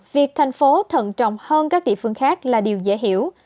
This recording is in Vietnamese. việc thành phố thận trọng hơn các địa phương khác là điều dễ hiểu